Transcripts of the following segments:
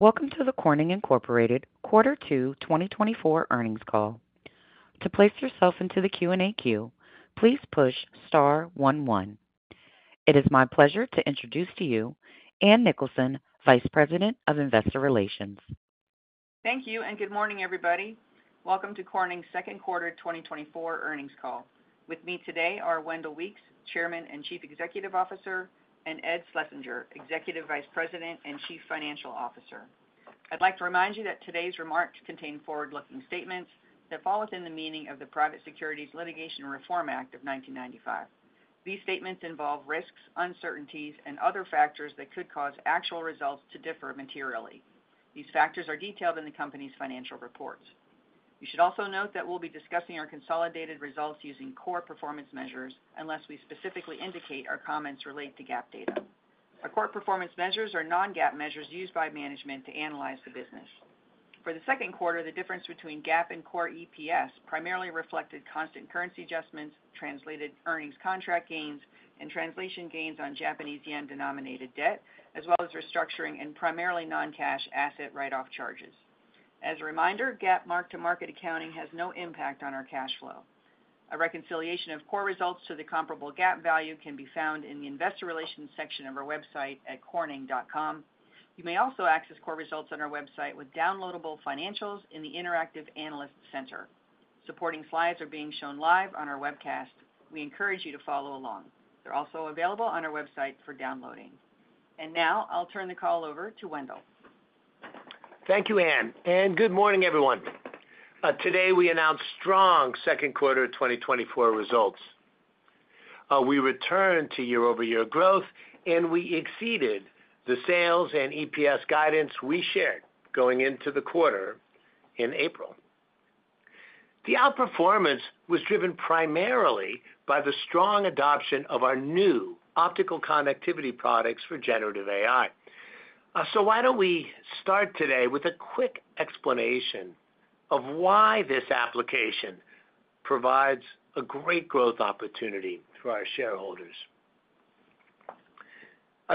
Welcome to the Corning Incorporated quarter two 2024 earnings call. To place yourself into the Q&A queue, please push star one, one. It is my pleasure to introduce to you Ann Nicholson, Vice President of Investor Relations. Thank you, and good morning, everybody. Welcome to Corning's second quarter 2024 earnings call. With me today are Wendell Weeks, Chairman and Chief Executive Officer, and Ed Schlesinger, Executive Vice President and Chief Financial Officer. I'd like to remind you that today's remarks contain forward-looking statements that fall within the meaning of the Private Securities Litigation Reform Act of 1995. These statements involve risks, uncertainties, and other factors that could cause actual results to differ materially. These factors are detailed in the company's financial reports. You should also note that we'll be discussing our consolidated results using core performance measures, unless we specifically indicate our comments relate to GAAP data. Our core performance measures are non-GAAP measures used by management to analyze the business. For the second quarter, the difference between GAAP and core EPS primarily reflected constant currency adjustments, translated earnings, contract gains, and translation gains on Japanese yen-denominated debt, as well as restructuring and primarily non-cash asset write-off charges. As a reminder, GAAP mark-to-market accounting has no impact on our cash flow. A reconciliation of core results to the comparable GAAP value can be found in the investor relations section of our website at corning.com. You may also access core results on our website with downloadable financials in the Interactive Analyst Center. Supporting slides are being shown live on our webcast. We encourage you to follow along. They're also available on our website for downloading. And now I'll turn the call over to Wendell. Thank you, Ann. Good morning, everyone. Today, we announce strong second quarter of 2024 results. We returned to year-over-year growth, and we exceeded the sales and EPS guidance we shared going into the quarter in April. The outperformance was driven primarily by the strong adoption of our new optical connectivity products for generative AI. So why don't we start today with a quick explanation of why this application provides a great growth opportunity for our shareholders?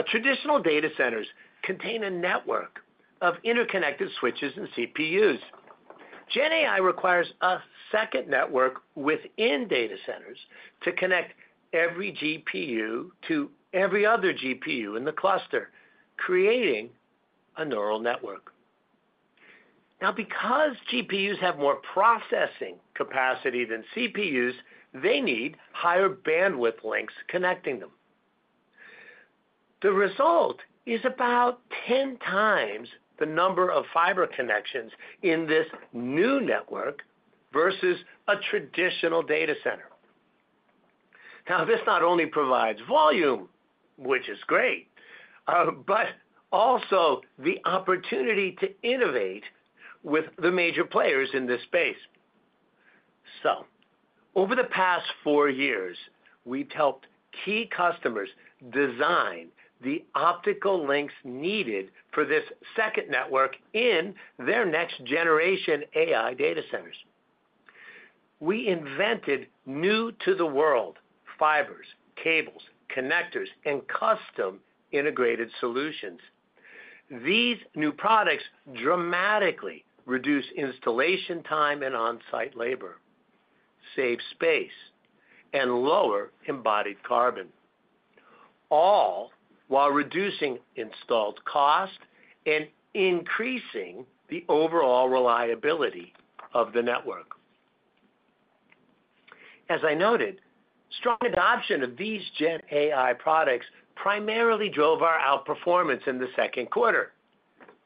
Traditional data centers contain a network of interconnected switches and CPUs. Gen AI requires a second network within data centers to connect every GPU to every other GPU in the cluster, creating a neural network. Now, because GPUs have more processing capacity than CPUs, they need higher bandwidth links connecting them. The result is about 10 times the number of fiber connections in this new network versus a traditional data center. Now, this not only provides volume, which is great, but also the opportunity to innovate with the major players in this space. Over the past four years, we've helped key customers design the optical links needed for this second network in their next generation AI data centers. We invented new-to-the-world fibers, cables, connectors, and custom integrated solutions. These new products dramatically reduce installation time and on-site labor, save space, and lower embodied carbon, all while reducing installed cost and increasing the overall reliability of the network. As I noted, strong adoption of these Gen AI products primarily drove our outperformance in the second quarter.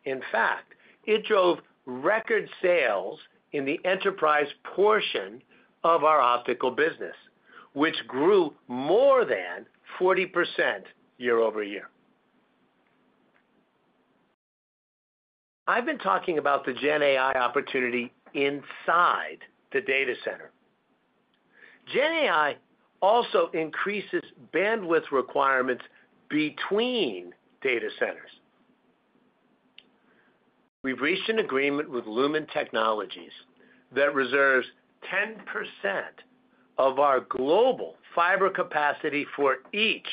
In fact, it drove record sales in the enterprise portion of our optical business, which grew more than 40% year-over-year. I've been talking about the Gen AI opportunity inside the data center. Gen AI also increases bandwidth requirements between data centers. We've reached an agreement with Lumen Technologies that reserves 10% of our global fiber capacity for each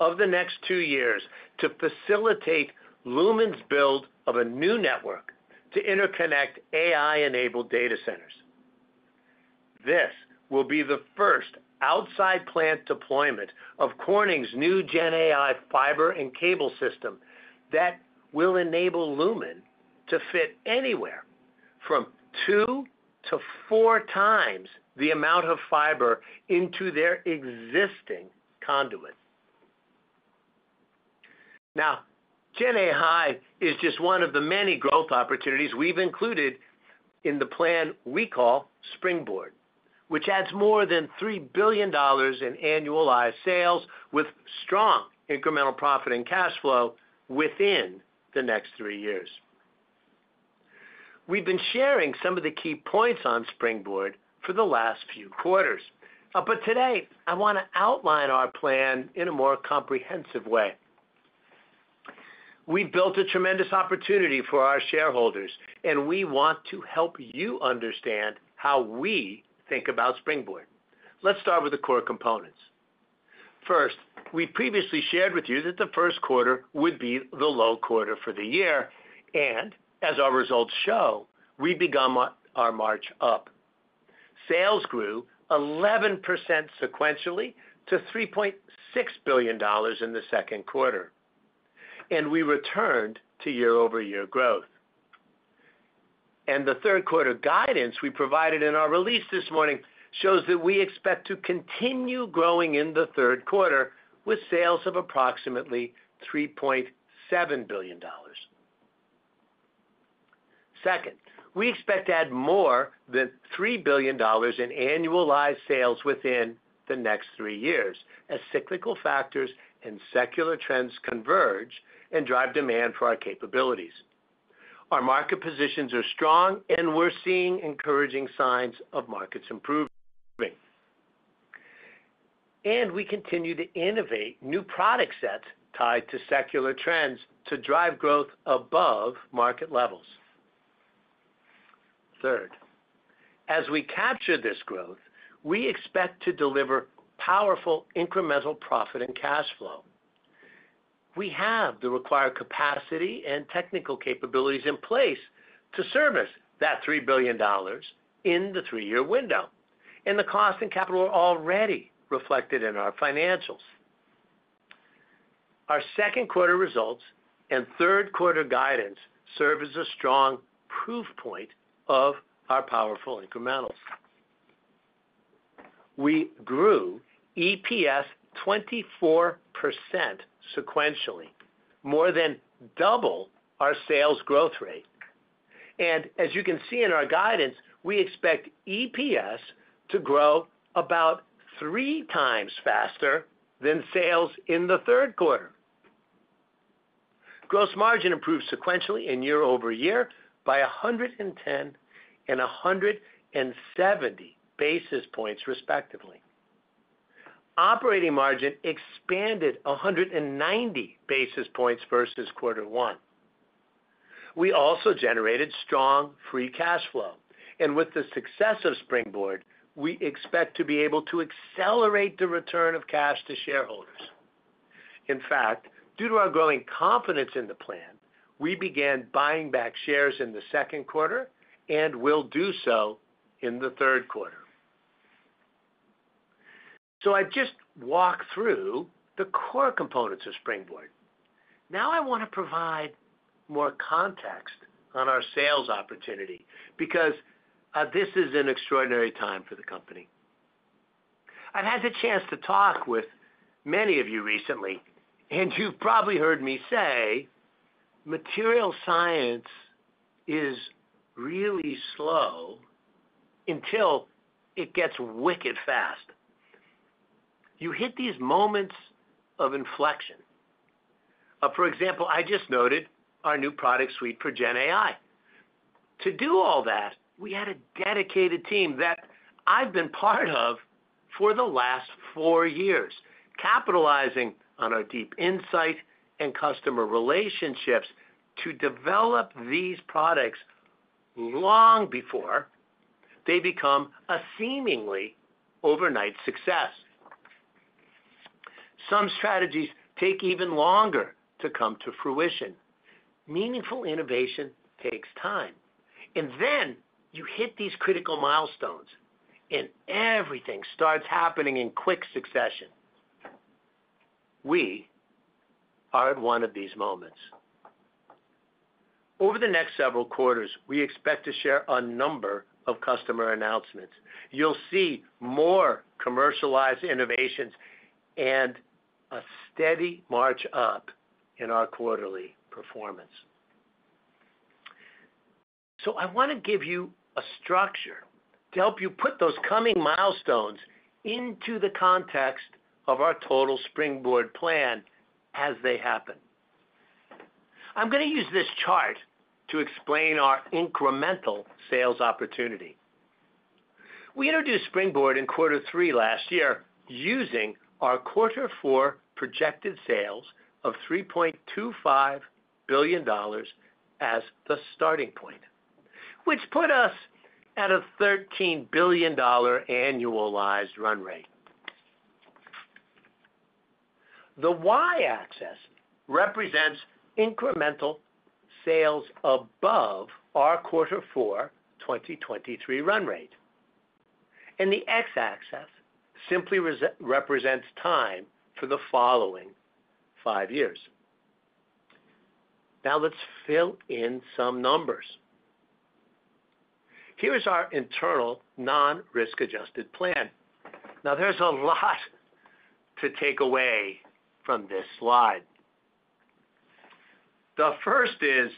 of the next two years to facilitate Lumen's build of a new network to interconnect AI-enabled data centers. This will be the first outside plant deployment of Corning's new Gen AI fiber and cable system that will enable Lumen to fit anywhere from two to four times the amount of fiber into their existing conduit. Now, Gen AI is just one of the many growth opportunities we've included in the plan we call Springboard, which adds more than $3 billion in annualized sales with strong incremental profit and cash flow within the next three years. We've been sharing some of the key points on Springboard for the last few quarters. but today, I want to outline our plan in a more comprehensive way. We built a tremendous opportunity for our shareholders, and we want to help you understand how we think about Springboard. Let's start with the core components.... First, we previously shared with you that the first quarter would be the low quarter for the year, and as our results show, we've begun our march up. Sales grew 11% sequentially to $3.6 billion in the second quarter, and we returned to year-over-year growth. The third quarter guidance we provided in our release this morning shows that we expect to continue growing in the third quarter with sales of approximately $3.7 billion. Second, we expect to add more than $3 billion in annualized sales within the next three years, as cyclical factors and secular trends converge and drive demand for our capabilities. Our market positions are strong, and we're seeing encouraging signs of markets improving. We continue to innovate new product sets tied to secular trends to drive growth above market levels. Third, as we capture this growth, we expect to deliver powerful incremental profit and cash flow. We have the required capacity and technical capabilities in place to service that $3 billion in the three-year window, and the cost and capital are already reflected in our financials. Our second quarter results and third quarter guidance serve as a strong proof point of our powerful incrementals. We grew EPS 24% sequentially, more than double our sales growth rate. As you can see in our guidance, we expect EPS to grow about three times faster than sales in the third quarter. Gross margin improved sequentially and year-over-year by 110 and 170 basis points, respectively. Operating margin expanded 190 basis points versus quarter one. We also generated strong free cash flow, and with the success of Springboard, we expect to be able to accelerate the return of cash to shareholders. In fact, due to our growing confidence in the plan, we began buying back shares in the second quarter and will do so in the third quarter. So I've just walked through the core components of Springboard. Now I want to provide more context on our sales opportunity because, this is an extraordinary time for the company. I've had the chance to talk with many of you recently, and you've probably heard me say, material science is really slow until it gets wicked fast. You hit these moments of inflection. For example, I just noted our new product suite for GenAI. To do all that, we had a dedicated team that I've been part of for the last four years, capitalizing on our deep insight and customer relationships to develop these products long before they become a seemingly overnight success. Some strategies take even longer to come to fruition. Meaningful innovation takes time, and then you hit these critical milestones, and everything starts happening in quick succession. We are at one of these moments. Over the next several quarters, we expect to share a number of customer announcements. You'll see more commercialized innovations and a steady march up in our quarterly performance. So I want to give you a structure to help you put those coming milestones into the context of our total Springboard plan as they happen. I'm going to use this chart to explain our incremental sales opportunity. We introduced Springboard in quarter three last year, using our quarter four projected sales of $3.25 billion as the starting point, which put us at a $13 billion annualized run rate. The Y-axis represents incremental sales above our quarter four 2023 run rate, and the X-axis simply represents time for the following five years. Now, let's fill in some numbers. Here's our internal non-risk adjusted plan. Now, there's a lot to take away from this slide. The first is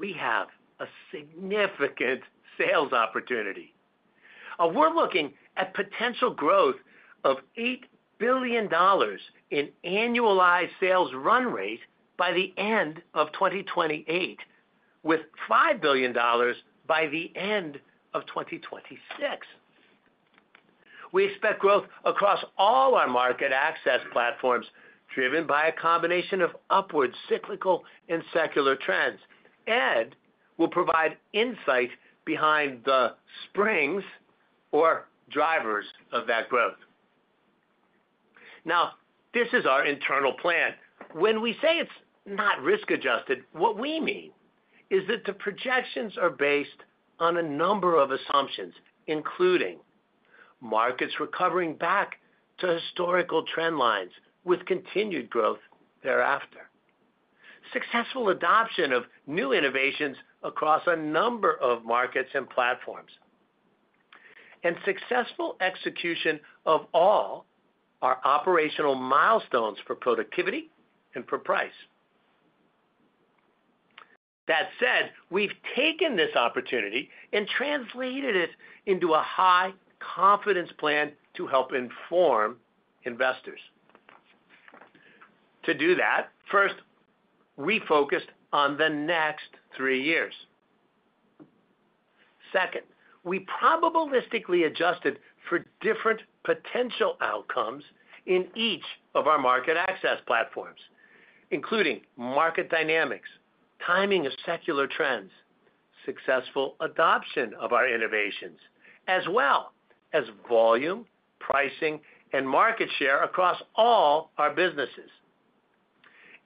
we have a significant sales opportunity. We're looking at potential growth of $8 billion in annualized sales run rate by the end of 2028, with $5 billion by the end of 2026. We expect growth across all our market access platforms, driven by a combination of upward, cyclical, and secular trends will provide insight behind the Springboard drivers of that growth. Now, this is our internal plan. When we say it's not risk-adjusted, what we mean is that the projections are based on a number of assumptions, including markets recovering back to historical trend lines with continued growth thereafter, successful adoption of new innovations across a number of markets and platforms, and successful execution of all our operational milestones for productivity and for price. That said, we've taken this opportunity and translated it into a high-confidence plan to help inform investors. To do that, first, we focused on the next three years. Second, we probabilistically adjusted for different potential outcomes in each of our market access platforms, including market dynamics, timing of secular trends, successful adoption of our innovations, as well as volume, pricing, and market share across all our businesses,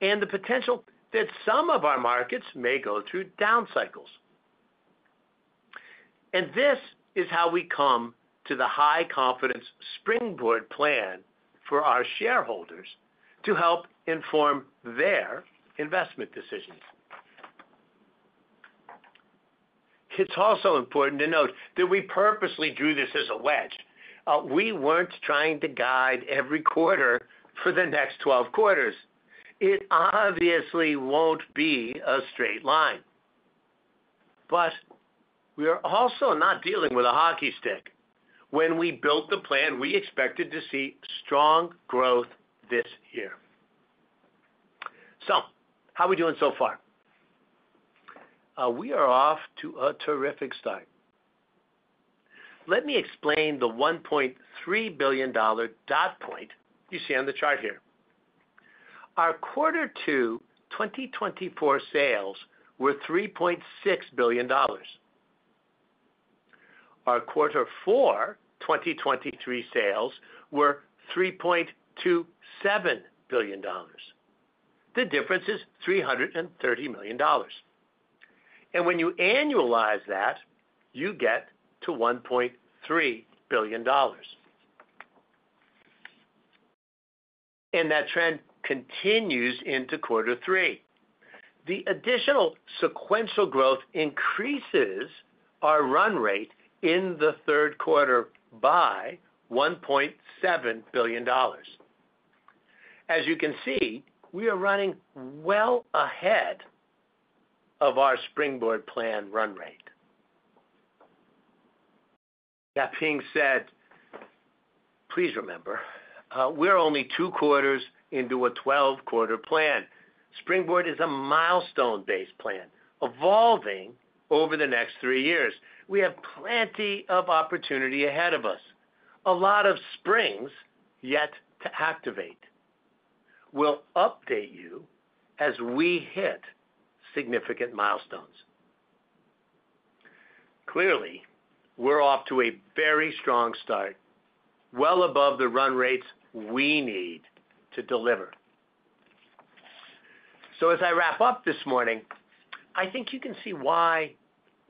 and the potential that some of our markets may go through down cycles. This is how we come to the high-confidence Springboard plan for our shareholders to help inform their investment decisions. It's also important to note that we purposely drew this as a wedge. We weren't trying to guide every quarter for the next 12 quarters. It obviously won't be a straight line, but we are also not dealing with a hockey stick. When we built the plan, we expected to see strong growth this year. How are we doing so far? We are off to a terrific start. Let me explain the $1.3 billion data point you see on the chart here. Our quarter two 2024 sales were $3.6 billion. Our quarter four 2023 sales were $3.27 billion. The difference is $330 million. When you annualize that, you get to $1.3 billion. That trend continues into quarter three. The additional sequential growth increases our run rate in the third quarter by $1.7 billion. As you can see, we are running well ahead of our Springboard plan run rate. That being said, please remember, we're only two quarters into a 12-quarter plan. Springboard is a milestone-based plan, evolving over the next three years. We have plenty of opportunity ahead of us, a lot of springs yet to activate. We'll update you as we hit significant milestones. Clearly, we're off to a very strong start, well above the run rates we need to deliver. So as I wrap up this morning, I think you can see why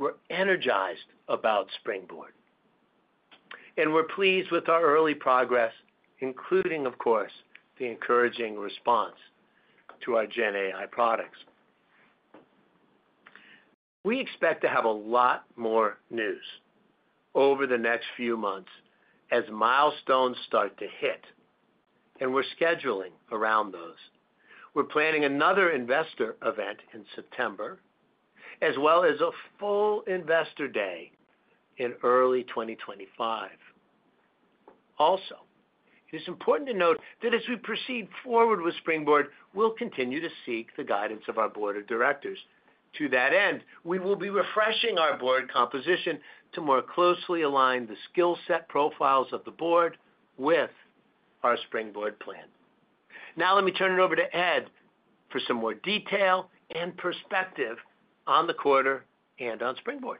we're energized about Springboard, and we're pleased with our early progress, including, of course, the encouraging response to our GenAI products. We expect to have a lot more news over the next few months as milestones start to hit, and we're scheduling around those. We're planning another investor event in September, as well as a full Investor Day in early 2025. Also, it's important to note that as we proceed forward with Springboard, we'll continue to seek the guidance of our board of directors. To that end, we will be refreshing our board composition to more closely align the skill set profiles of the board with our Springboard plan. Now, let me turn it over to Ed for some more detail and perspective on the quarter and on Springboard.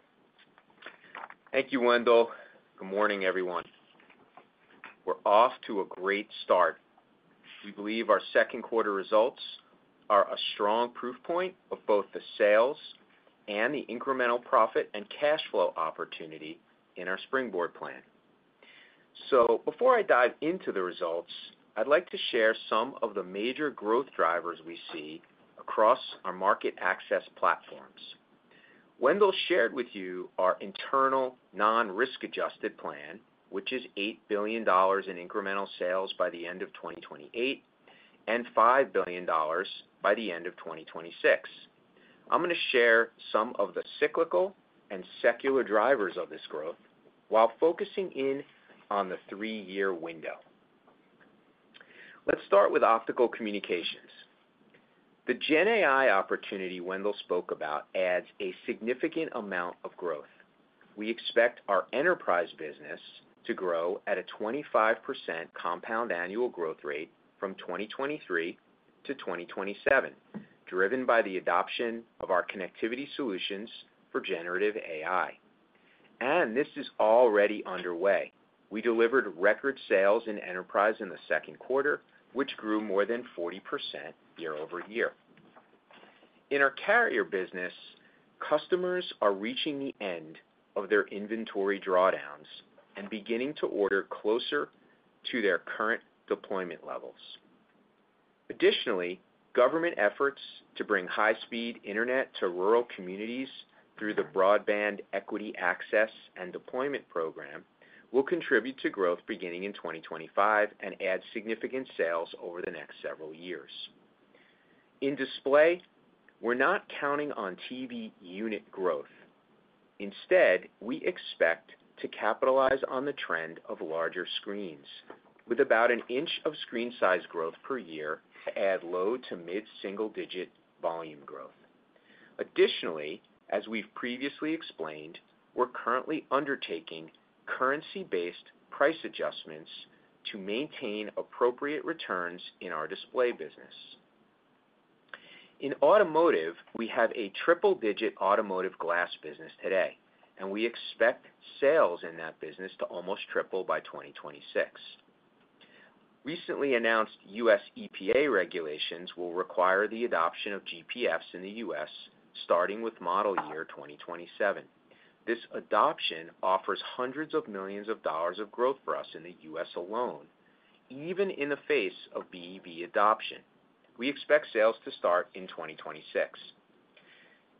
Thank you, Wendell. Good morning, everyone. We're off to a great start. We believe our second quarter results are a strong proof point of both the sales and the incremental profit and cash flow opportunity in our Springboard plan. So before I dive into the results, I'd like to share some of the major growth drivers we see across our market access platforms. Wendell shared with you our internal non-risk-adjusted plan, which is $8 billion in incremental sales by the end of 2028, and $5 billion by the end of 2026. I'm going to share some of the cyclical and secular drivers of this growth while focusing in on the three-year window. Let's start with Optical Communications. The GenAI opportunity Wendell spoke about adds a significant amount of growth.... We expect our enterprise business to grow at a 25% compound annual growth rate from 2023 to 2027, driven by the adoption of our connectivity solutions for generative AI. And this is already underway. We delivered record sales in enterprise in the second quarter, which grew more than 40% year-over-year. In our carrier business, customers are reaching the end of their inventory drawdowns and beginning to order closer to their current deployment levels. Additionally, government efforts to bring high-speed internet to rural communities through the Broadband Equity Access and Deployment program will contribute to growth beginning in 2025 and add significant sales over the next several years. In display, we're not counting on TV unit growth. Instead, we expect to capitalize on the trend of larger screens, with about an inch of screen size growth per year to add low to mid-single-digit volume growth. Additionally, as we've previously explained, we're currently undertaking currency-based price adjustments to maintain appropriate returns in our display business. In automotive, we have a triple-digit automotive glass business today, and we expect sales in that business to almost triple by 2026. Recently announced U.S. EPA regulations will require the adoption of GPFs in the U.S., starting with model year 2027. This adoption offers hundreds of millions of dollars of growth for us in the U.S. alone, even in the face of BEV adoption. We expect sales to start in 2026.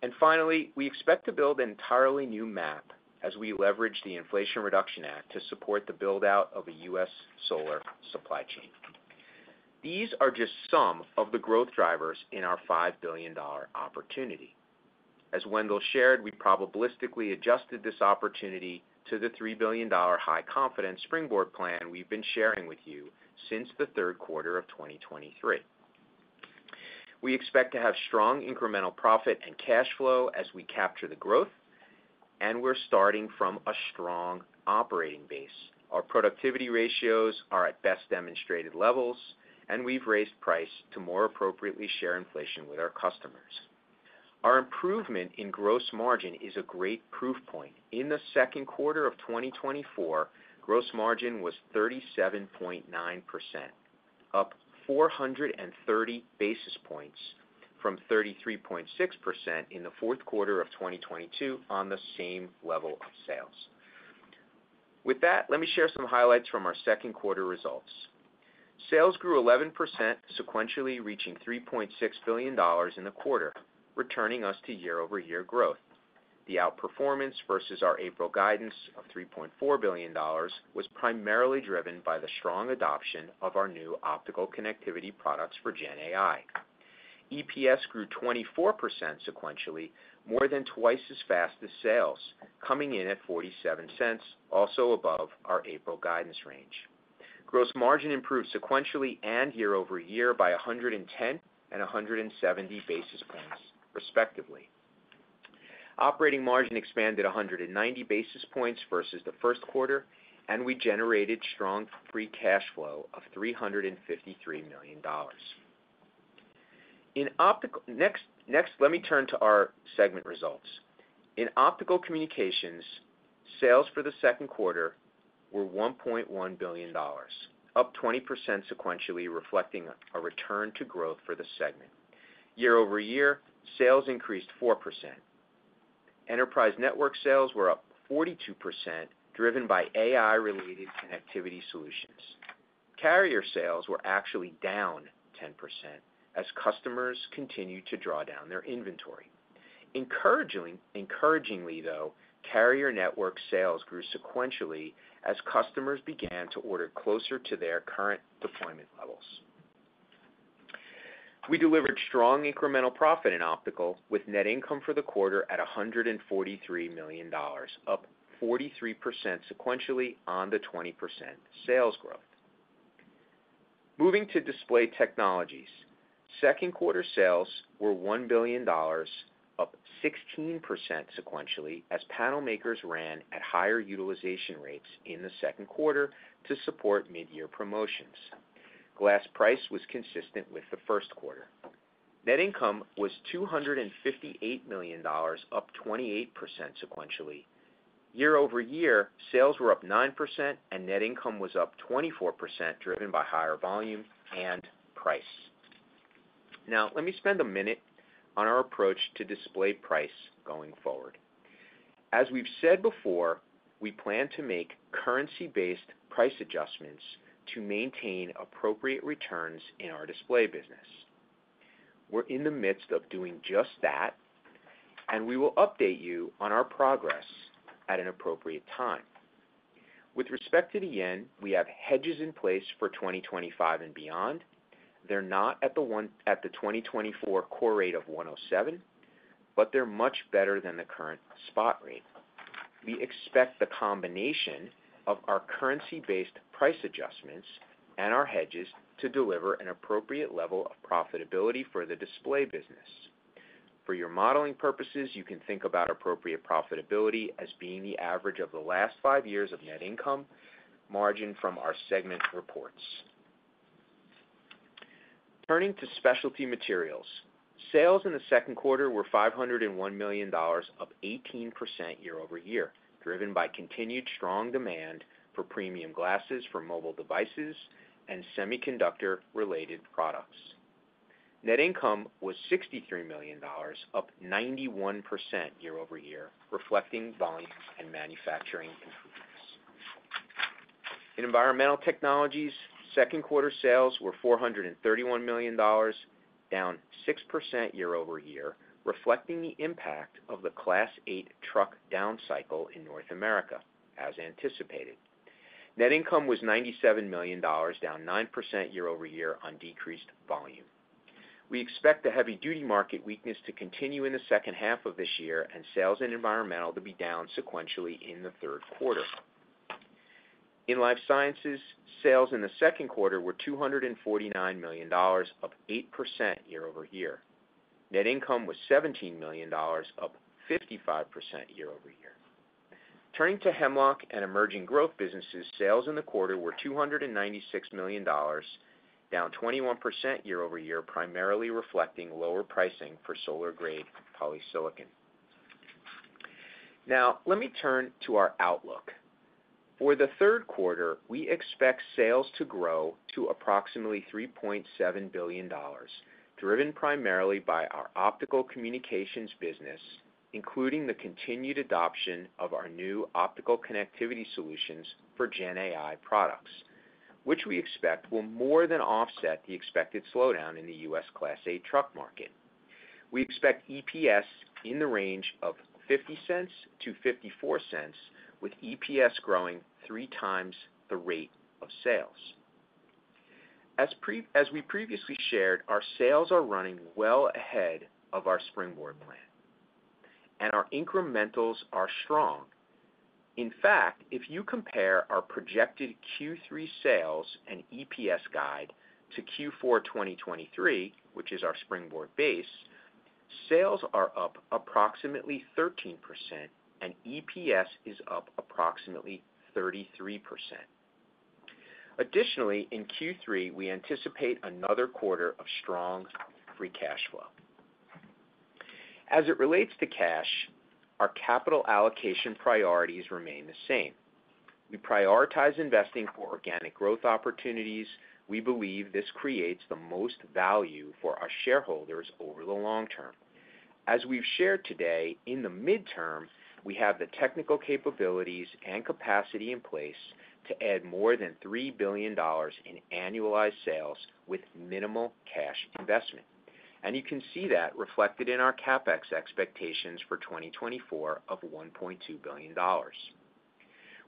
And finally, we expect to build an entirely new map as we leverage the Inflation Reduction Act to support the build-out of a U.S. solar supply chain. These are just some of the growth drivers in our $5 billion opportunity. As Wendell shared, we probabilistically adjusted this opportunity to the $3 billion high confidence springboard plan we've been sharing with you since the third quarter of 2023. We expect to have strong incremental profit and cash flow as we capture the growth, and we're starting from a strong operating base. Our productivity ratios are at best demonstrated levels, and we've raised price to more appropriately share inflation with our customers. Our improvement in gross margin is a great proof point. In the second quarter of 2024, gross margin was 37.9%, up 430 basis points from 33.6% in the fourth quarter of 2022 on the same level of sales. With that, let me share some highlights from our second quarter results. Sales grew 11% sequentially, reaching $3.6 billion in the quarter, returning us to year-over-year growth. The outperformance versus our April guidance of $3.4 billion was primarily driven by the strong adoption of our new optical connectivity products for GenAI. EPS grew 24% sequentially, more than twice as fast as sales, coming in at $0.47, also above our April guidance range. Gross margin improved sequentially and year-over-year by 110 and 170 basis points, respectively. Operating margin expanded 190 basis points versus the first quarter, and we generated strong free cash flow of $353 million. Let me turn to our segment results. In Optical Communications, sales for the second quarter were $1.1 billion, up 20% sequentially, reflecting a return to growth for the segment. Year-over-year, sales increased 4%. Enterprise network sales were up 42%, driven by AI-related connectivity solutions. Carrier sales were actually down 10% as customers continued to draw down their inventory. Encouragingly, though, carrier network sales grew sequentially as customers began to order closer to their current deployment levels. We delivered strong incremental profit in optical, with net income for the quarter at $143 million, up 43% sequentially on the 20% sales growth. Moving to Display Technologies. Second quarter sales were $1 billion, up 16% sequentially, as panel makers ran at higher utilization rates in the second quarter to support mid-year promotions. Glass price was consistent with the first quarter. Net income was $258 million, up 28% sequentially. Year-over-year, sales were up 9% and net income was up 24%, driven by higher volume and price. Now, let me spend a minute on our approach to display price going forward. As we've said before, we plan to make currency-based price adjustments to maintain appropriate returns in our display business. We're in the midst of doing just that, and we will update you on our progress at an appropriate time. With respect to the yen, we have hedges in place for 2025 and beyond. They're not at the 2024 core rate of 107, but they're much better than the current spot rate. We expect the combination of our currency-based price adjustments and our hedges to deliver an appropriate level of profitability for the display business. For your modeling purposes, you can think about appropriate profitability as being the average of the last five years of net income margin from our segment reports. Turning to Specialty Materials, sales in the second quarter were $501 million, up 18% year-over-year, driven by continued strong demand for premium glasses for mobile devices and semiconductor-related products. Net income was $63 million, up 91% year-over-year, reflecting volume and manufacturing improvements. In Environmental Technologies, second quarter sales were $431 million, down 6% year-over-year, reflecting the impact of the Class 8 truck downcycle in North America, as anticipated. Net income was $97 million, down 9% year-over-year on decreased volume. We expect the heavy duty market weakness to continue in the second half of this year, and sales in Environmental to be down sequentially in the third quarter. In Life Sciences, sales in the second quarter were $249 million, up 8% year-over-year. Net income was $17 million, up 55% year-over-year. Turning to Hemlock and Emerging Growth Businesses, sales in the quarter were $296 million, down 21% year-over-year, primarily reflecting lower pricing for solar-grade polysilicon. Now, let me turn to our outlook. For the third quarter, we expect sales to grow to approximately $3.7 billion, driven primarily by our Optical Communications business, including the continued adoption of our new optical connectivity solutions for GenAI products, which we expect will more than offset the expected slowdown in the U.S. Class 8 truck market. We expect EPS in the range of $0.50-$0.54, with EPS growing three times the rate of sales. As we previously shared, our sales are running well ahead of our Springboard plan, and our incrementals are strong. In fact, if you compare our projected Q3 sales and EPS guide to Q4 2023, which is our Springboard base, sales are up approximately 13% and EPS is up approximately 33%. Additionally, in Q3, we anticipate another quarter of strong free cash flow. As it relates to cash, our capital allocation priorities remain the same. We prioritize investing for organic growth opportunities. We believe this creates the most value for our shareholders over the long term. As we've shared today, in the midterm, we have the technical capabilities and capacity in place to add more than $3 billion in annualized sales with minimal cash investment, and you can see that reflected in our CapEx expectations for 2024 of $1.2 billion.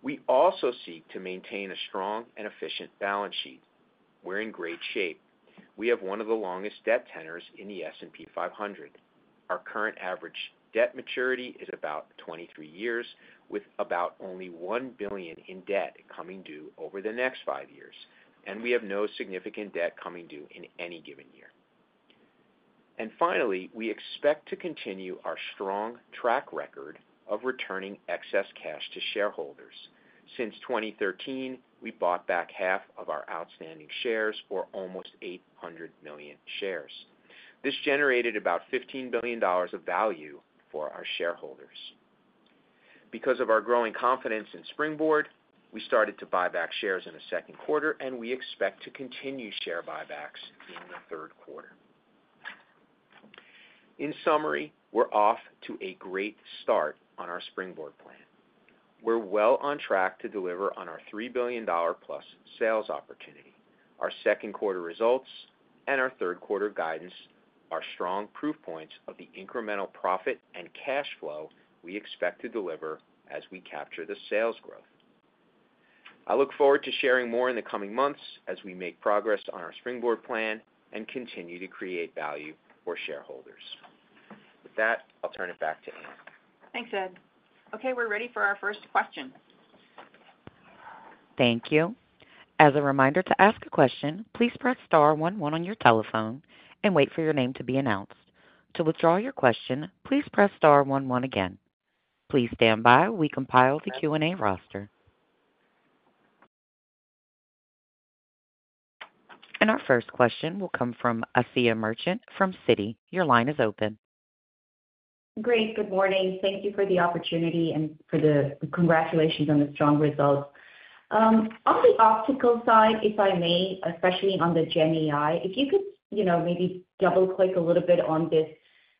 We also seek to maintain a strong and efficient balance sheet. We're in great shape. We have one of the longest debt tenors in the S&P 500. Our current average debt maturity is about 23 years, with about only $1 billion in debt coming due over the next five years, and we have no significant debt coming due in any given year. Finally, we expect to continue our strong track record of returning excess cash to shareholders. Since 2013, we bought back half of our outstanding shares, or almost 800 million shares. This generated about $15 billion of value for our shareholders. Because of our growing confidence in Springboard, we started to buy back shares in the second quarter, and we expect to continue share buybacks in the third quarter. In summary, we're off to a great start on our Springboard plan. We're well on track to deliver on our $3 billion-plus sales opportunity. Our second quarter results and our third quarter guidance are strong proof points of the incremental profit and cash flow we expect to deliver as we capture the sales growth. I look forward to sharing more in the coming months as we make progress on our Springboard plan and continue to create value for shareholders. With that, I'll turn it back to Ann. Thanks, Ed. Okay, we're ready for our first question. Thank you. As a reminder to ask a question, please press star one one on your telephone and wait for your name to be announced. To withdraw your question, please press star one one again. Please stand by, we compile the Q&A roster. Our first question will come from Asiya Merchant from Citi. Your line is open. Great, good morning. Thank you for the opportunity and for the congratulations on the strong results. On the optical side, if I may, especially on the GenAI, if you could, you know, maybe double-click a little bit on this,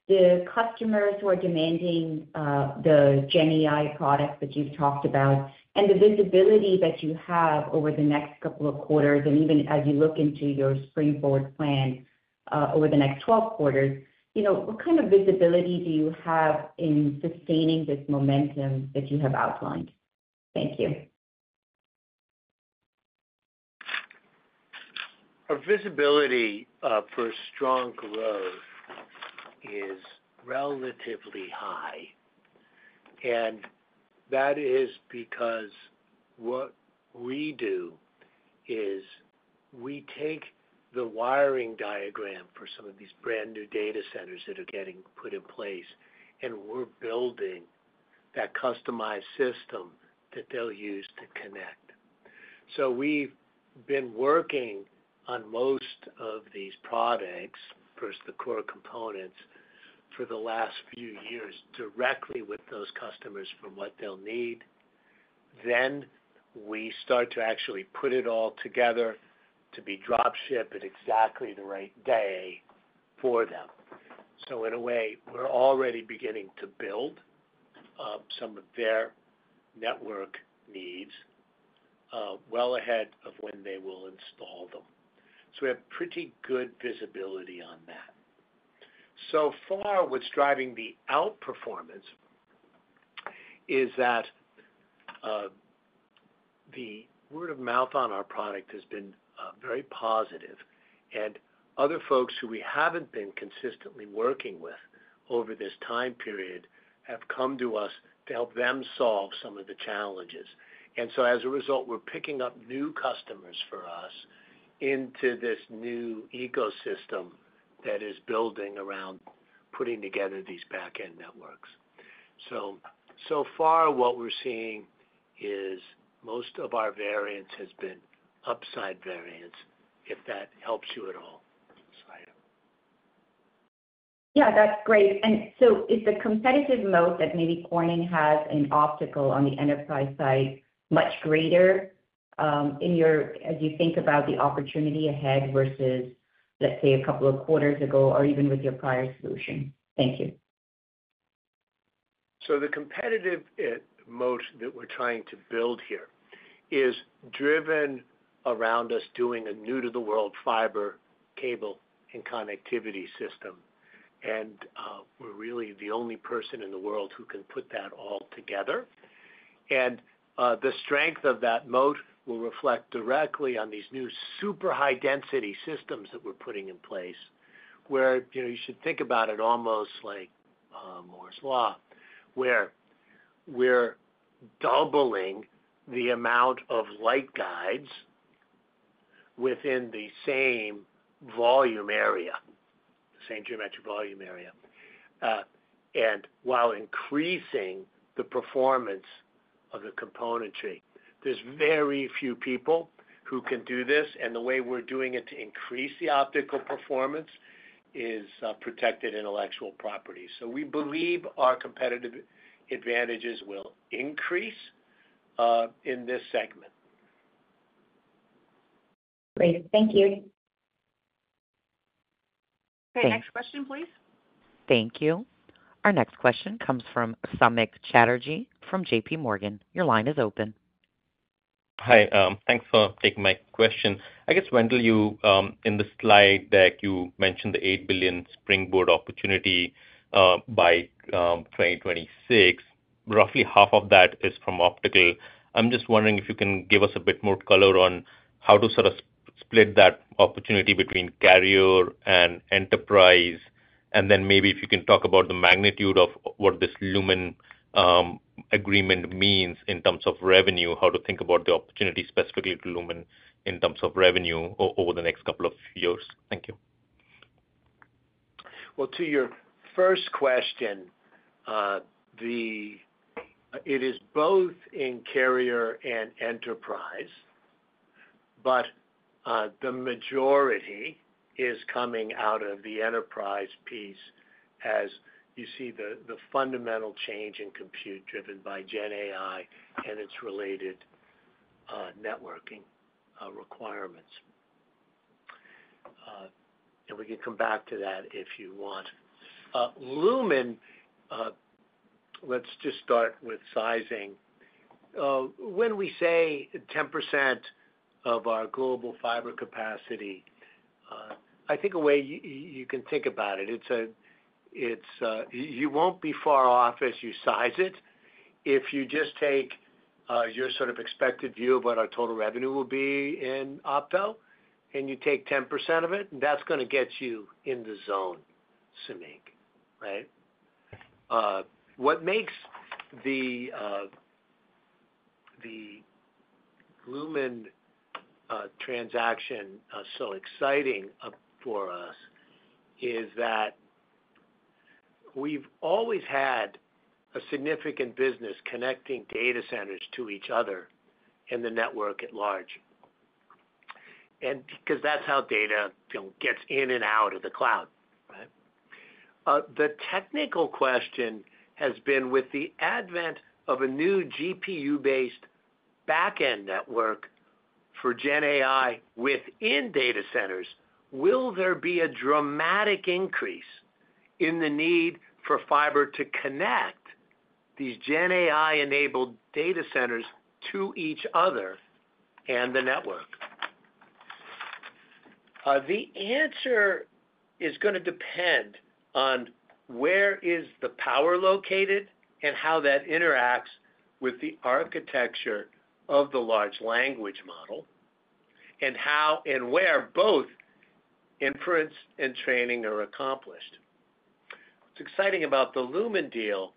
the customers who are demanding, the GenAI product that you've talked about and the visibility that you have over the next couple of quarters, and even as you look into your Springboard plan, over the next 12 quarters, you know, what kind of visibility do you have in sustaining this momentum that you have outlined? Thank you. Our visibility for strong growth is relatively high.... And that is because what we do is we take the wiring diagram for some of these brand-new data centers that are getting put in place, and we're building that customized system that they'll use to connect. So we've been working on most of these products, first, the core components, for the last few years directly with those customers from what they'll need. Then we start to actually put it all together to be drop-shipped at exactly the right day for them. So in a way, we're already beginning to build some of their network needs well ahead of when they will install them. So we have pretty good visibility on that. So far, what's driving the outperformance is that, the word of mouth on our product has been, very positive, and other folks who we haven't been consistently working with over this time period have come to us to help them solve some of the challenges. And so as a result, we're picking up new customers for us into this new ecosystem that is building around putting together these back-end networks. So, so far what we're seeing is most of our variance has been upside variance, if that helps you at all, Asiya. Yeah, that's great. And so is the competitive moat that maybe Corning has an obstacle on the enterprise side much greater, in your- as you think about the opportunity ahead versus, let's say, a couple of quarters ago, or even with your prior solution? Thank you. The competitive moat that we're trying to build here is driven around us doing a new-to-the-world fiber, cable, and connectivity system. We're really the only person in the world who can put that all together. The strength of that moat will reflect directly on these new super high-density systems that we're putting in place, where, you know, you should think about it almost like Moore's Law, where we're doubling the amount of light guides within the same volume area, the same geometric volume area, and while increasing the performance of the componentry. There's very few people who can do this, and the way we're doing it to increase the optical performance is protected intellectual property. We believe our competitive advantages will increase in this segment. Great. Thank you. Okay. Next question, please. Thank you. Our next question comes from Samik Chatterjee from JPMorgan. Your line is open. Hi, thanks for taking my question. I guess, Wendell, you, in the slide deck, you mentioned the $8 billion Springboard opportunity by 2026. Roughly half of that is from optical. I'm just wondering if you can give us a bit more color on how to sort of split that opportunity between carrier and enterprise, and then maybe if you can talk about the magnitude of what this Lumen agreement means in terms of revenue, how to think about the opportunity specifically to Lumen in terms of revenue over the next couple of years. Thank you. Well, to your first question, it is both in carrier and enterprise, but the majority is coming out of the enterprise piece as you see the fundamental change in compute driven by GenAI and its related networking requirements. And we can come back to that if you want. Lumen, let's just start with sizing. When we say 10% of our global fiber capacity, I think a way you can think about it, it's a, it's you you won't be far off as you size it. If you just take your sort of expected view of what our total revenue will be in opto, and you take 10% of it, that's gonna get you in the zone, Samik, right? What makes the Lumen transaction so exciting for us is that we've always had a significant business connecting data centers to each other and the network at large. And because that's how data, you know, gets in and out of the cloud, right? The technical question has been, with the advent of a new GPU-based back-end network for GenAI within data centers, will there be a dramatic increase in the need for fiber to connect these GenAI-enabled data centers to each other and the network? The answer is gonna depend on where is the power located and how that interacts with the architecture of the large language model, and how and where both inference and training are accomplished. What's exciting about the Lumen deal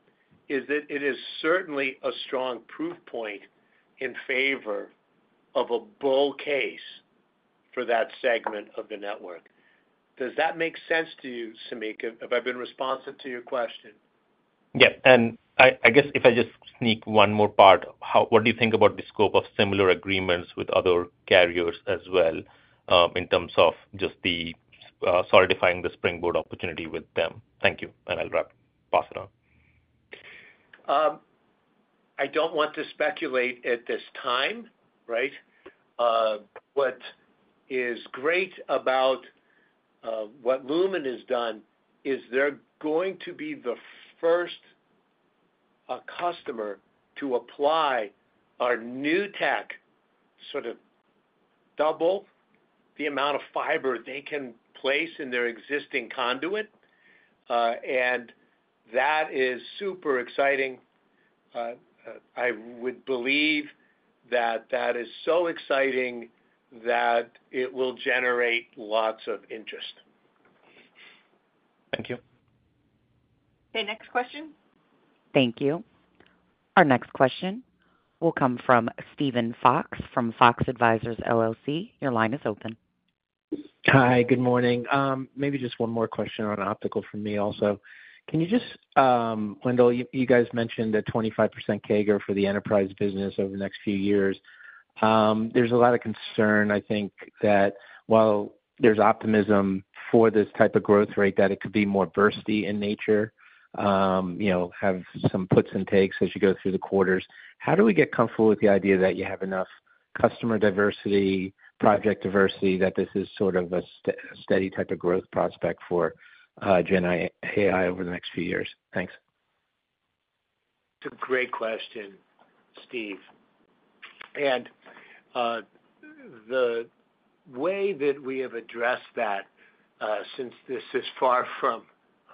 is that it is certainly a strong proof point in favor of a bull case for that segment of the network. Does that make sense to you, Samik? Have I been responsive to your question? Yeah, and I, I guess if I just sneak one more part, how—what do you think about the scope of similar agreements with other carriers as well, in terms of just the, solidifying the Springboard opportunity with them? Thank you, and I'll wrap. Pass it on. I don't want to speculate at this time, right? What is great about what Lumen has done is they're going to be the first customer to apply our new tech, sort of double the amount of fiber they can place in their existing conduit. That is super exciting. I would believe that that is so exciting that it will generate lots of interest. Thank you. Okay, next question. Thank you. Our next question will come from Steven Fox from Fox Advisors LLC. Your line is open. Hi, good morning. Maybe just one more question on optical from me also. Can you just, Wendell, you guys mentioned a 25% CAGR for the enterprise business over the next few years. There's a lot of concern, I think, that while there's optimism for this type of growth rate, that it could be more bursty in nature, you know, have some puts and takes as you go through the quarters. How do we get comfortable with the idea that you have enough customer diversity, project diversity, that this is sort of a steady type of growth prospect for Gen AI over the next few years? Thanks. It's a great question, Steve. And, the way that we have addressed that, since this is far from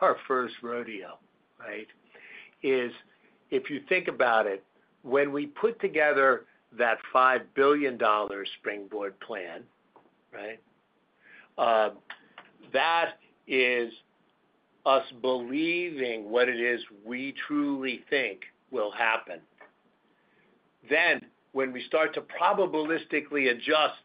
our first rodeo, right? is if you think about it, when we put together that $5 billion Springboard plan, right? That is us believing what it is we truly think will happen. Then, when we start to probabilistically adjust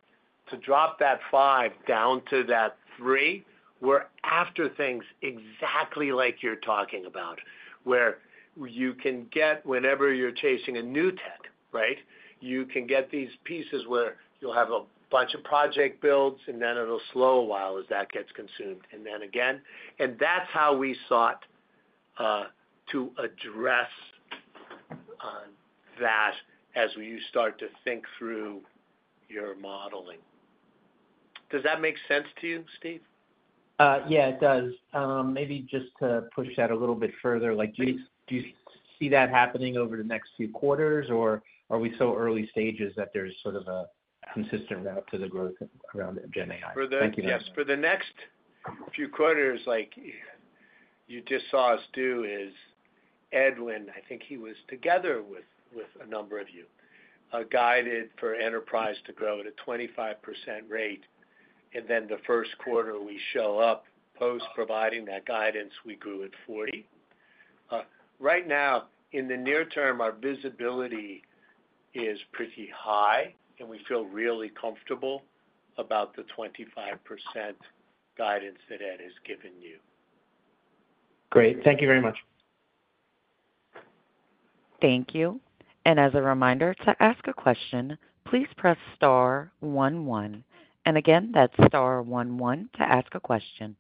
to drop that $5 billion down to that $3 billion, we're after things exactly like you're talking about, where you can get whenever you're chasing a new tech, right? You can get these pieces where you'll have a bunch of project builds, and then it'll slow a while as that gets consumed, and then again. And that's how we sought, to address, that as you start to think through your modeling. Does that make sense to you, Steve? Yeah, it does. Maybe just to push that a little bit further, like, do you, do you see that happening over the next few quarters, or are we so early stages that there's sort of a consistent route to the growth around Gen AI? Thank you. For the next few quarters, like you just saw us do with Ed, I think he was together with a number of you, guided for enterprise to grow at a 25% rate, and then the first quarter, we show up post-providing that guidance, we grew at 40%. Right now, in the near term, our visibility is pretty high, and we feel really comfortable about the 25% guidance that Ed has given you. Great. Thank you very much. Thank you. As a reminder, to ask a question, please press star one, one. Again, that's star one, one to ask a question.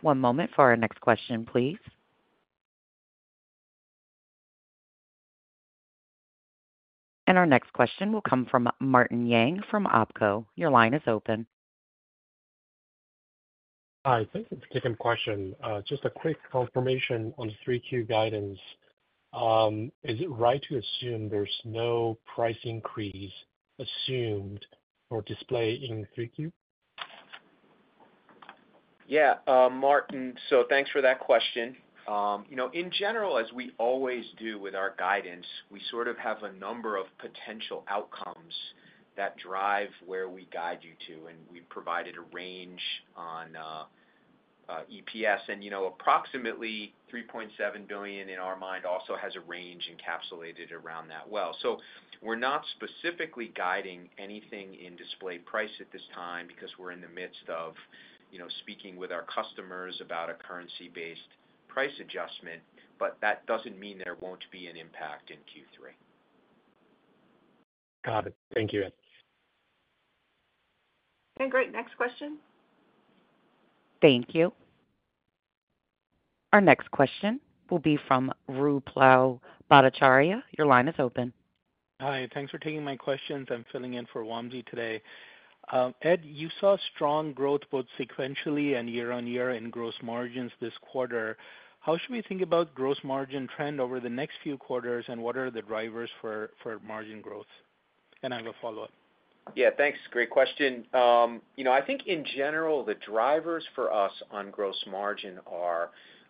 One moment for our next question, please. Our next question will come from Martin Yang from OpCo. Your line is open. Hi, thanks for taking the question. Just a quick confirmation on the 3Q guidance. Is it right to assume there's no price increase assumed or displayed in 3Q? Yeah, Martin, so thanks for that question. You know, in general, as we always do with our guidance, we sort of have a number of potential outcomes that drive where we guide you to, and we provided a range on, EPS. And, you know, approximately $3.7 billion in our mind also has a range encapsulated around that well. So we're not specifically guiding anything in display price at this time because we're in the midst of, you know, speaking with our customers about a currency-based price adjustment, but that doesn't mean there won't be an impact in Q3. Got it. Thank you, Ed. Okay, great. Next question? Thank you. Our next question will be from Ruplu Bhattacharya. Your line is open. Hi, thanks for taking my questions. I'm filling in for Wamsi today. Ed, you saw strong growth both sequentially and year-on-year in gross margins this quarter. How should we think about gross margin trend over the next few quarters, and what are the drivers for, for margin growth? I will follow up. Yeah, thanks. Great question. You know, I think in general, the drivers for us on gross margin are: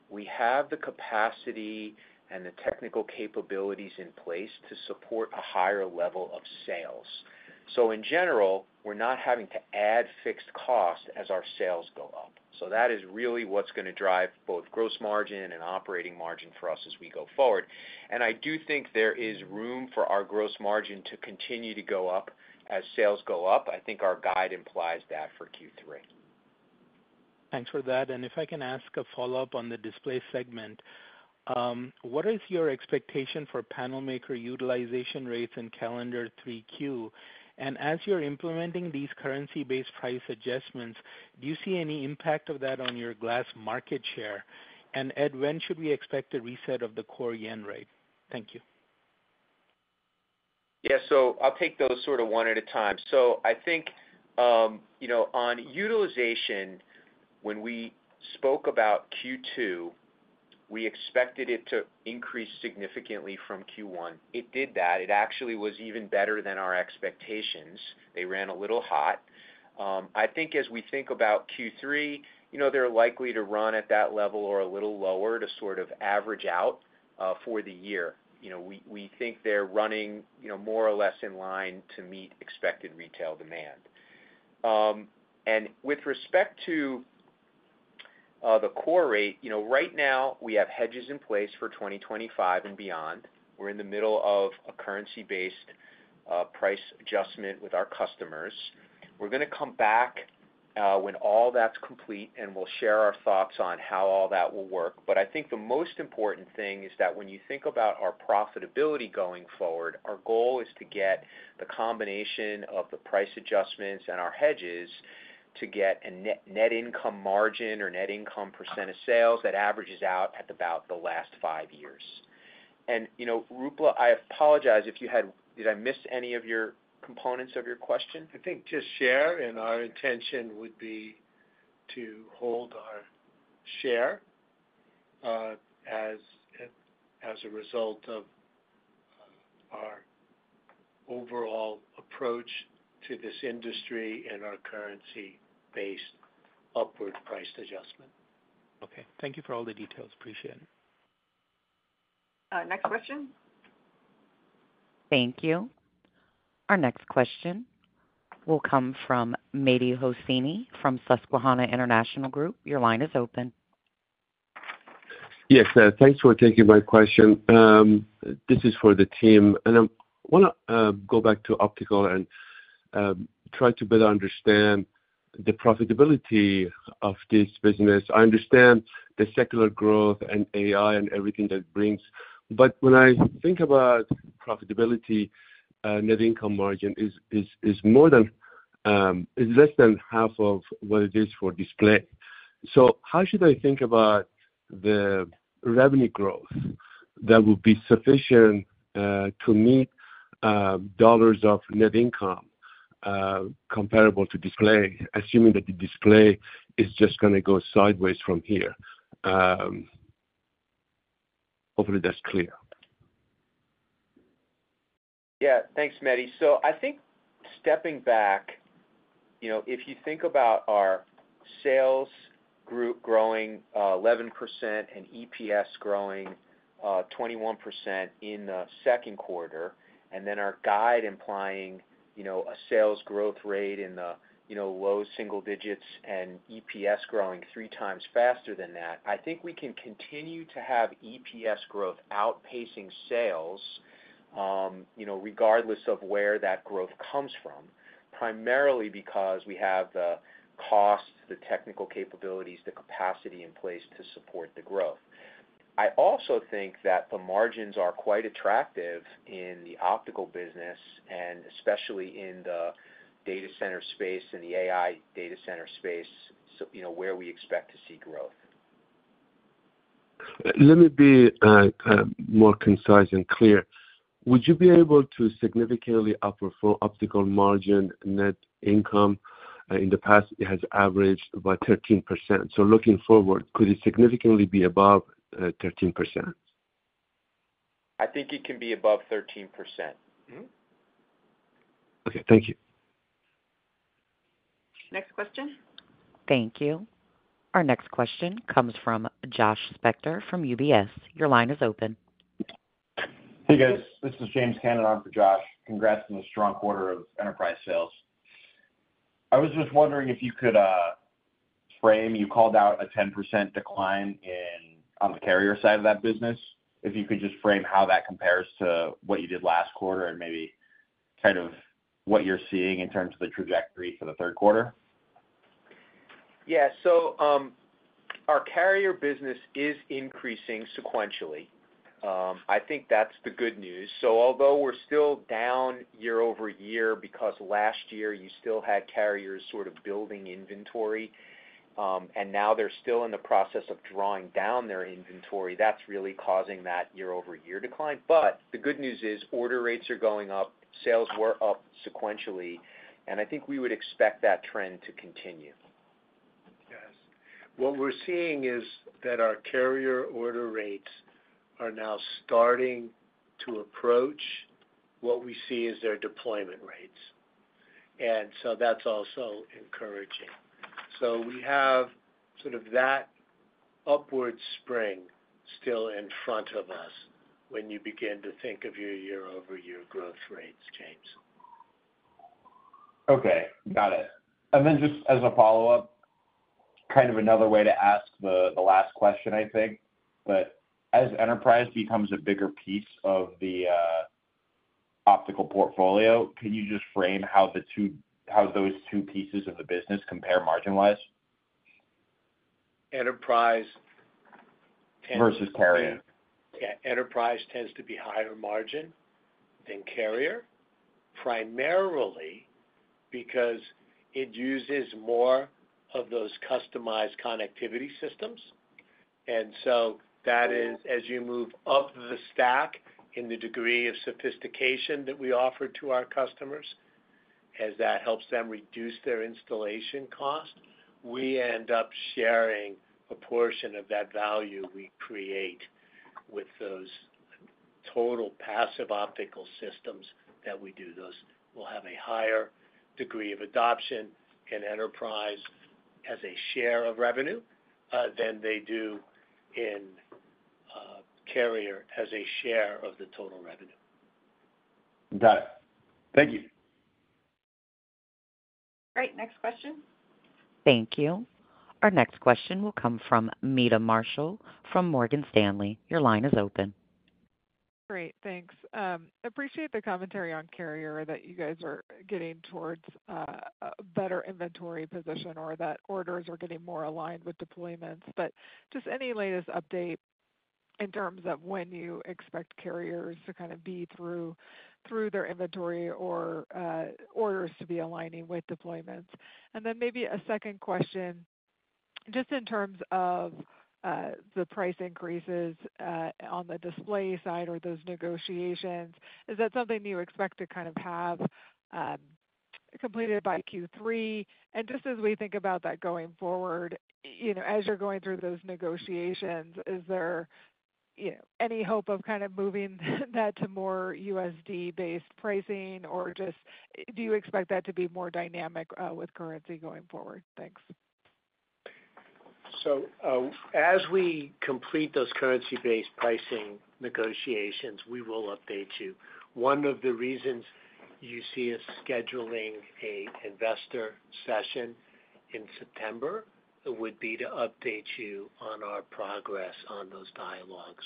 we have the capacity and the technical capabilities in place to support a higher level of sales. So in general, we're not having to add fixed costs as our sales go up. So that is really what's going to drive both gross margin and operating margin for us as we go forward. And I do think there is room for our gross margin to continue to go up as sales go up. I think our guide implies that for Q3. Thanks for that, and if I can ask a follow-up on the display segment, what is your expectation for panel maker utilization rates in calendar 3Q? And as you're implementing these currency-based price adjustments, do you see any impact of that on your glass market share? And Ed, when should we expect a reset of the core yen rate? Thank you. Yeah, so I'll take those sort of one at a time. So I think, you know, on utilization, when we spoke about Q2, we expected it to increase significantly from Q1. It did that. It actually was even better than our expectations. They ran a little hot. I think as we think about Q3, you know, they're likely to run at that level or a little lower to sort of average out for the year. You know, we, we think they're running, you know, more or less in line to meet expected retail demand. And with respect to the core rate, you know, right now, we have hedges in place for 2025 and beyond. We're in the middle of a currency-based price adjustment with our customers. We're going to come back, when all that's complete, and we'll share our thoughts on how all that will work. But I think the most important thing is that when you think about our profitability going forward, our goal is to get the combination of the price adjustments and our hedges to get a net, net income margin or net income percent of sales that averages out at about the last five years. And, you know, Ruplu, I apologize if you had-- did I miss any of your components of your question? I think just share, and our intention would be to hold our share as a result of our overall approach to this industry and our currency-based upward price adjustment. Okay. Thank you for all the details. Appreciate it. Next question. Thank you. Our next question will come from Mehdi Hosseini from Susquehanna International Group. Your line is open. Yes, thanks for taking my question. This is for the team, and I want to go back to Optical and try to better understand the profitability of this business. I understand the secular growth and AI and everything that brings, but when I think about profitability, net income margin is less than half of what it is for display. So how should I think about the revenue growth that will be sufficient to meet dollars of net income comparable to display, assuming that the display is just going to go sideways from here? Hopefully, that's clear. Yeah. Thanks, Mehdi. So I think stepping back, you know, if you think about our sales group growing 11% and EPS growing 21% in the second quarter, and then our guide implying, you know, a sales growth rate in the low single digits and EPS growing three times faster than that, I think we can continue to have EPS growth outpacing sales, you know, regardless of where that growth comes from, primarily because we have the costs, the technical capabilities, the capacity in place to support the growth. I also think that the margins are quite attractive in the optical business, and especially in the data center space and the AI data center space, so you know, where we expect to see growth. Let me be more concise and clear. Would you be able to significantly upper for optical margin net income? In the past, it has averaged about 13%. So looking forward, could it significantly be above 13%? I think it can be above 13%. Mm-hmm. Okay, thank you. Next question. Thank you. Our next question comes from Josh Spector from UBS. Your line is open. Hey, guys, this is James Cannon on for Josh. Congrats on the strong quarter of enterprise sales. I was just wondering if you could frame... You called out a 10% decline in, on the carrier side of that business. If you could just frame how that compares to what you did last quarter and maybe kind of what you're seeing in terms of the trajectory for the third quarter. Yeah. So, our carrier business is increasing sequentially. I think that's the good news. So although we're still down year-over-year, because last year you still had carriers sort of building inventory, and now they're still in the process of drawing down their inventory, that's really causing that year-over-year decline. But the good news is, order rates are going up, sales were up sequentially, and I think we would expect that trend to continue. Yes. What we're seeing is that our carrier order rates are now starting to approach what we see as their deployment rates. So that's also encouraging. We have sort of that upward spring still in front of us when you begin to think of your year-over-year growth rates, James? Okay, got it. And then just as a follow-up, kind of another way to ask the last question, I think, but as enterprise becomes a bigger piece of the optical portfolio, can you just frame how the two—how those two pieces of the business compare margin-wise? Enterprise- Versus carrier. Yeah, enterprise tends to be higher margin than carrier, primarily because it uses more of those customized connectivity systems. And so that is, as you move up the stack in the degree of sophistication that we offer to our customers, as that helps them reduce their installation cost, we end up sharing a portion of that value we create with those total passive optical systems that we do. Those will have a higher degree of adoption in enterprise as a share of revenue than they do in carrier as a share of the total revenue. Got it. Thank you. Great, next question. Thank you. Our next question will come from Meta Marshall from Morgan Stanley. Your line is open. Great, thanks. Appreciate the commentary on carrier, that you guys are getting towards a better inventory position or that orders are getting more aligned with deployments. But just any latest update in terms of when you expect carriers to kind of be through their inventory or orders to be aligning with deployments? And then maybe a second question, just in terms of the price increases on the display side or those negotiations, is that something you expect to kind of have completed by Q3? And just as we think about that going forward, you know, as you're going through those negotiations, is there, you know, any hope of kind of moving that to more USD-based pricing, or just do you expect that to be more dynamic with currency going forward? Thanks. As we complete those currency-based pricing negotiations, we will update you. One of the reasons you see us scheduling an investor session in September would be to update you on our progress on those dialogues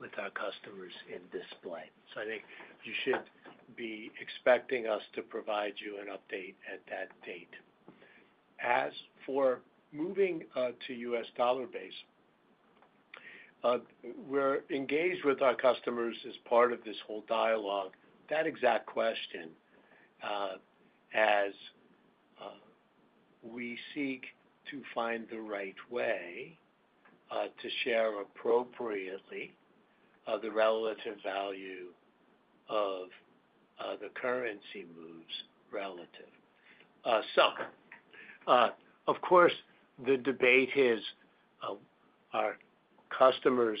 with our customers in Display. I think you should be expecting us to provide you an update at that date. As for moving to U.S. dollar base, we're engaged with our customers as part of this whole dialogue. That exact question, as we seek to find the right way to share appropriately the relative value of the currency moves relative. Of course, the debate is, our customers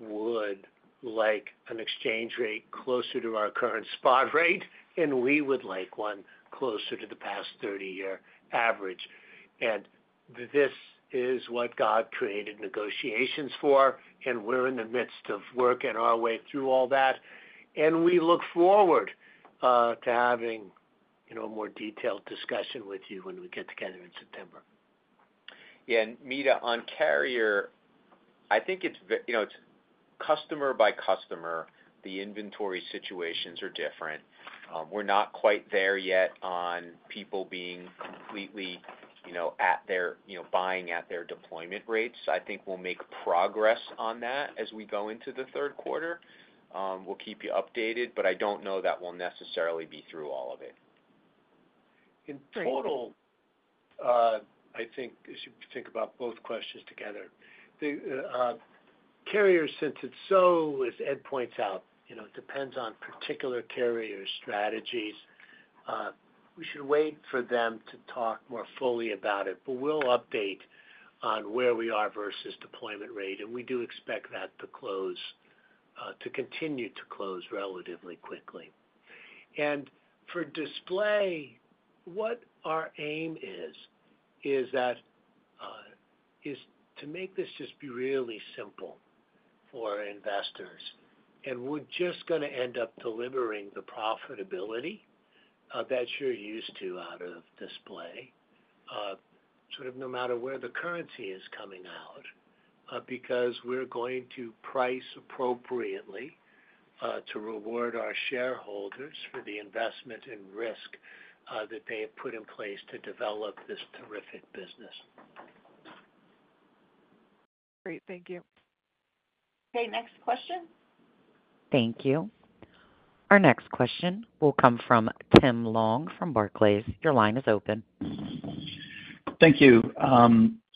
would like an exchange rate closer to our current spot rate, and we would like one closer to the past 30-year average. This is what God created negotiations for, and we're in the midst of working our way through all that, and we look forward to having, you know, a more detailed discussion with you when we get together in September. Yeah, and Meta, on carrier, I think it's – you know, it's customer-by-customer, the inventory situations are different. We're not quite there yet on people being completely, you know, at their, you know, buying at their deployment rates. I think we'll make progress on that as we go into the third quarter. We'll keep you updated, but I don't know that we'll necessarily be through all of it. In total, I think as you think about both questions together, the carrier, since it's so, as Ed points out, you know, depends on particular carrier strategies, we should wait for them to talk more fully about it, but we'll update on where we are versus deployment rate, and we do expect that to close to continue to close relatively quickly. And for display, what our aim is, is that, is to make this just be really simple for investors. And we're just gonna end up delivering the profitability that you're used to out of display sort of no matter where the currency is coming out because we're going to price appropriately to reward our shareholders for the investment and risk that they have put in place to develop this terrific business. Great, thank you. Okay, next question. Thank you. Our next question will come from Tim Long, from Barclays. Your line is open. Thank you.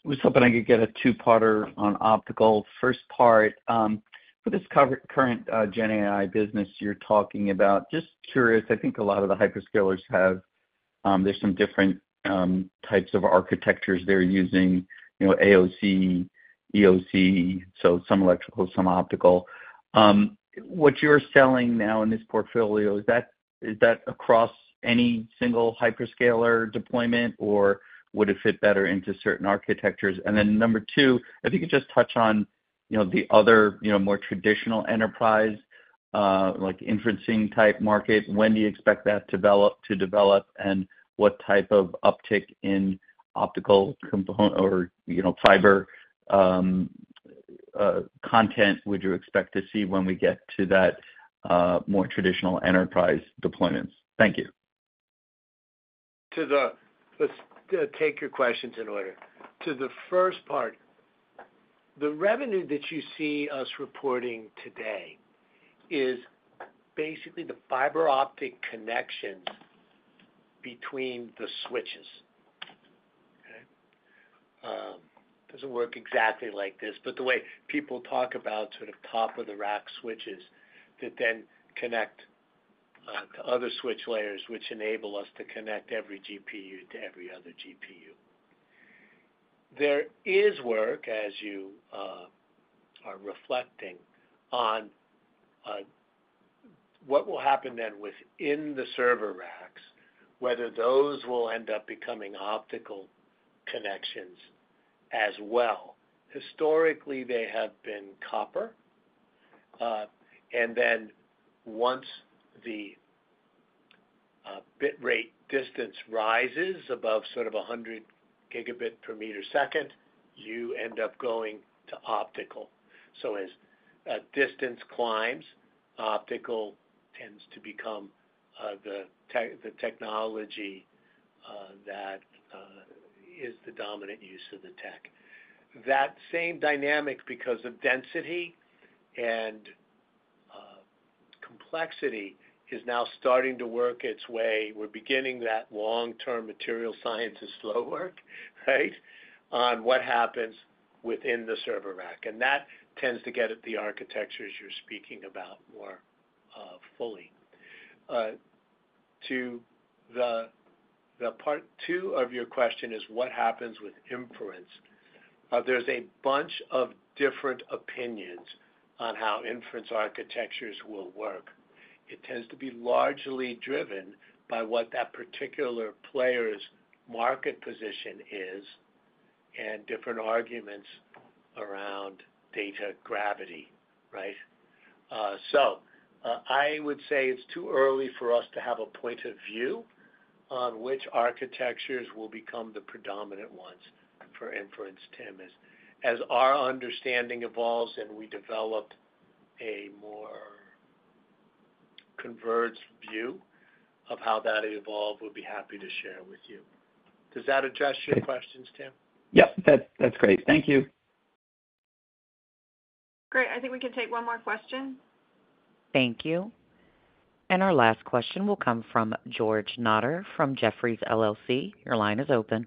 Was hoping I could get a two-parter on optical. First part, for this current Gen AI business you're talking about, just curious, I think a lot of the hyperscalers have, there's some different types of architectures they're using, you know, AOC... EOC, so some electrical, some optical. What you're selling now in this portfolio, is that across any single hyperscaler deployment, or would it fit better into certain architectures? And then number two, if you could just touch on, you know, the other, you know, more traditional enterprise, like inferencing-type market. When do you expect that to develop, and what type of uptick in optical component or, you know, fiber content would you expect to see when we get to that more traditional enterprise deployments? Thank you. Let's take your questions in order. To the first part, the revenue that you see us reporting today is basically the fiber optic connection between the switches. Okay? Doesn't work exactly like this, but the way people talk about sort of top-of-the-rack switches that then connect to other switch layers, which enable us to connect every GPU to every other GPU. There is work, as you are reflecting on, on what will happen then within the server racks, whether those will end up becoming optical connections as well. Historically, they have been copper, and then once the bit rate distance rises above sort of 100 Gb per meter second, you end up going to optical. So as that distance climbs, optical tends to become the technology that is the dominant use of the tech. That same dynamic, because of density and complexity, is now starting to work its way. We're beginning that long-term material science is slow work, right, on what happens within the server rack, and that tends to get at the architectures you're speaking about more fully. To the part two of your question is what happens with inference? There's a bunch of different opinions on how inference architectures will work. It tends to be largely driven by what that particular player's market position is and different arguments around data gravity, right? So, I would say it's too early for us to have a point of view on which architectures will become the predominant ones for inference, Tim. As our understanding evolves and we develop a more converged view of how that evolved, we'll be happy to share with you. Does that address your questions, Tim? Yep, that, that's great. Thank you. Great. I think we can take one more question. Thank you. Our last question will come from George Notter from Jefferies LLC. Your line is open.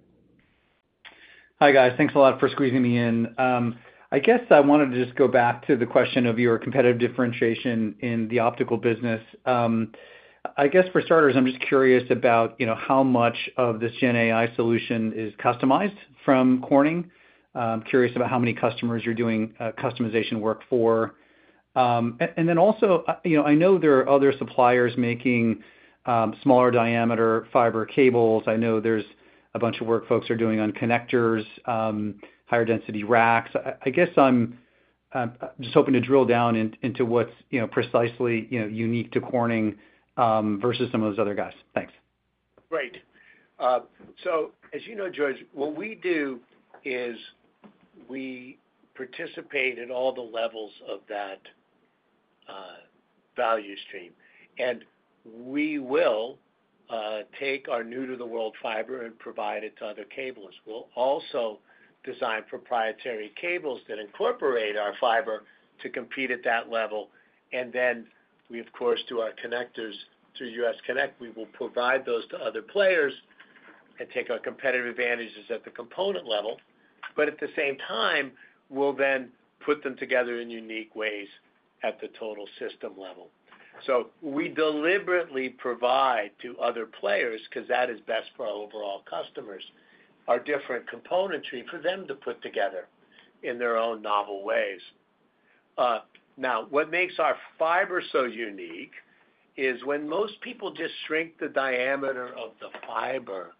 Hi, guys. Thanks a lot for squeezing me in. I guess I wanted to just go back to the question of your competitive differentiation in the optical business. I guess for starters, I'm just curious about, you know, how much of this Gen AI solution is customized from Corning. Curious about how many customers you're doing, customization work for. And then also, you know, I know there are other suppliers making, smaller diameter fiber cables. I know there's a bunch of work folks are doing on connectors, higher density racks. I guess I'm just hoping to drill down in, into what's, you know, precisely, you know, unique to Corning, versus some of those other guys. Thanks. Great. So as you know, George, what we do is we participate in all the levels of that value stream, and we will take our new-to-the-world fiber and provide it to other cablers. We'll also design proprietary cables that incorporate our fiber to compete at that level, and then we, of course, through our connectors, through US Conec, we will provide those to other players and take our competitive advantages at the component level. But at the same time, we'll then put them together in unique ways at the total system level. So we deliberately provide to other players, 'cause that is best for our overall customers, our different componentry for them to put together in their own novel ways. Now, what makes our fiber so unique is when most people just shrink the diameter of the fiber,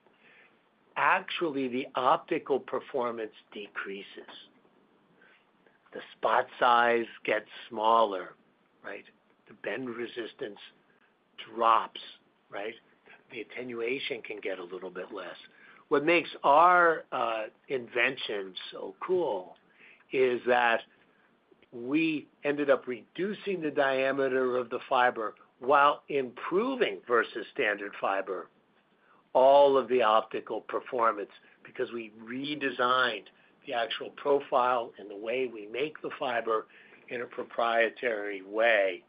actually, the optical performance decreases. The spot size gets smaller, right? The bend resistance drops, right? The attenuation can get a little bit less. What makes our invention so cool is that we ended up reducing the diameter of the fiber while improving, versus standard fiber, all of the optical performance, because we redesigned the actual profile and the way we make the fiber in a proprietary way.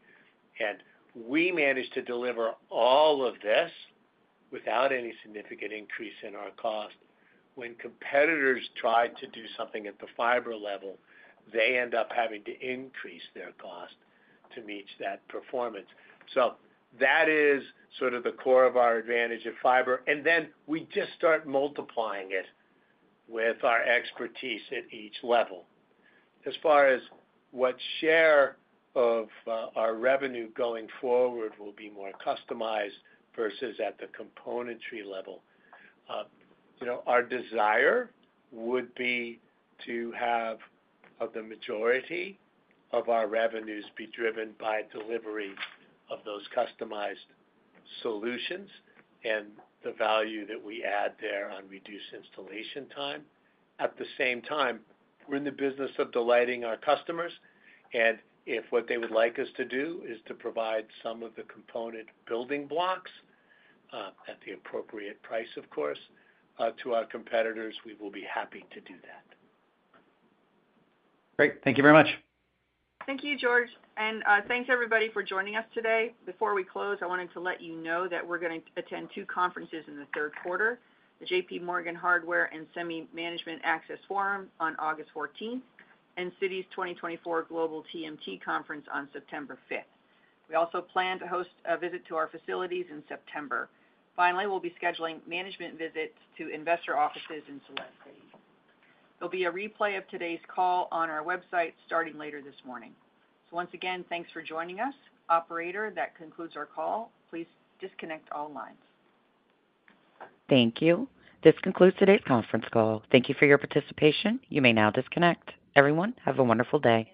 And we managed to deliver all of this without any significant increase in our cost. When competitors try to do something at the fiber level, they end up having to increase their cost to meet that performance. So that is sort of the core of our advantage of fiber, and then we just start multiplying it with our expertise at each level. As far as what share of our revenue going forward will be more customized versus at the componentry level, you know, our desire would be to have of the majority of our revenues be driven by delivery of those customized solutions and the value that we add there on reduced installation time. At the same time, we're in the business of delighting our customers, and if what they would like us to do is to provide some of the component building blocks at the appropriate price, of course, to our competitors, we will be happy to do that. Great. Thank you very much. Thank you, George, and thanks everybody for joining us today. Before we close, I wanted to let you know that we're gonna attend two conferences in the third quarter, the JPMorgan Hardware and Semi Management Access Forum on August fourteenth, and Citi's 2024 Global TMT Conference on September 5th. We also plan to host a visit to our facilities in September. Finally, we'll be scheduling management visits to investor offices in select cities. There'll be a replay of today's call on our website starting later this morning. So once again, thanks for joining us. Operator, that concludes our call. Please disconnect all lines. Thank you. This concludes today's conference call. Thank you for your participation. You may now disconnect. Everyone, have a wonderful day.